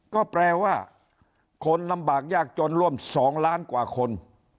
ก็แปลว่าคนลำบากยากจนร่วม๒ล้านกว่าคน